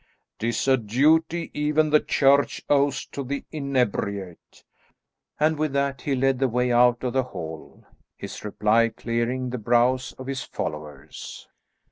'Tis a duty even the Church owes to the inebriate." And with that he led the way out of the hall, his reply clearing the brows of his followers.